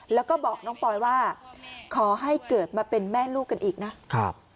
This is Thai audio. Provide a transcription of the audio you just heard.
แล้วก็บอกน้องปอยว่าขอให้เกิดมาเป็นแม่ลูกกันอีกนะครับ